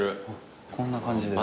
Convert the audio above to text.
こんな感じで。